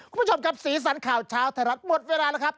คุณผู้ชมครับสีสันข่าวเช้าไทยรัฐหมดเวลาแล้วครับ